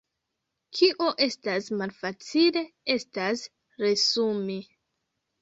Kio estas malfacile estas resumi.